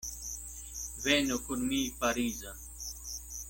Venu kun mi Parizon.